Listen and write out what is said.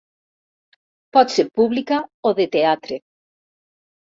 Pot ser pública o de teatre.